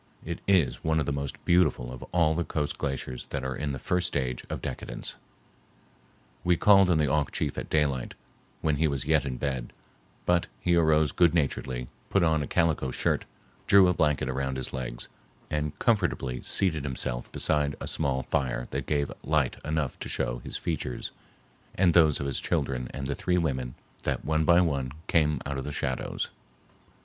It is one of the most beautiful of all the coast glaciers that are in the first stage of decadence. We called on the Auk chief at daylight, when he was yet in bed, but he arose goodnaturedly, put on a calico shirt, drew a blanket around his legs, and comfortably seated himself beside a small fire that gave light enough to show his features and those of his children and the three women that one by one came out of the shadows.